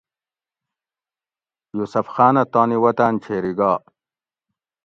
یوسف خانہ تانی وطاۤن چھیری گا